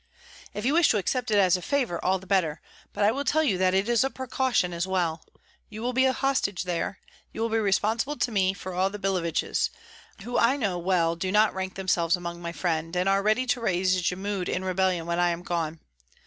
"If you wish to accept it as a favor, all the better, but I will tell you that it is precaution as well. You will be a hostage there; you will be responsible to me for all the Billeviches, who I know well do not rank themselves among my friends, and are ready to raise Jmud in rebellion when I am gone.